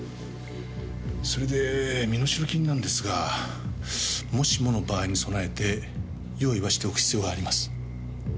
それで身代金なんですがもしもの場合に備えて用意はしておく必要があります。